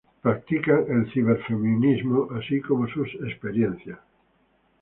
practican el ciberfeminismo, así como sus experiencias